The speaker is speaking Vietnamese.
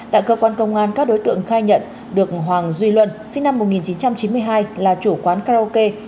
tại cơ quan công an các đối tượng khai nhận được hoàng duy luân sinh năm một nghìn chín trăm chín mươi hai là chủ quán karaoke